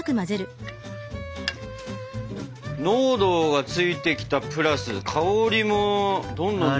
濃度がついてきたプラス香りもどんどんどんどん。